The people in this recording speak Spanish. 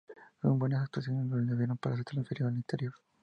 Sus buenas actuaciones le valieron ser transferido al exterior.